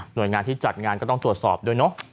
โดยงานที่จัดงานก็ต้องตรวจสอบด้วยเนอะ